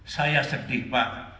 saya sedih pak